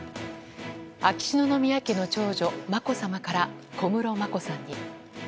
秋篠宮家の長女・まこさまから小室眞子さんに。